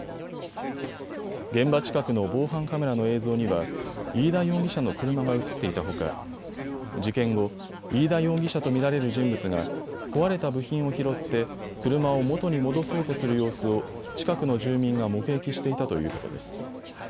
現場近くの防犯カメラの映像には飯田容疑者の車が映っていたほか事件後、飯田容疑者と見られる人物が壊れた部品を拾って車を元に戻そうとする様子を近くの住民が目撃していたということです。